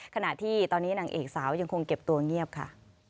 ขณะที่ตอนนี้นางเอกสาวยังคงเก็บตัวเงียบค่ะ